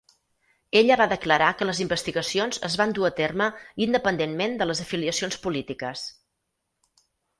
Ella va declarar que les investigacions es van dur a terme independentment de les afiliacions polítiques.